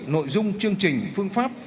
nội dung chương trình phương pháp